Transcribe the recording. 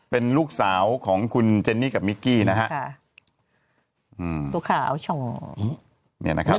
เป็นลูกสาวของคุณเจนนี่กับมิกกี้นะฮะค่ะอืมลูกสาวเนี่ยนะครับ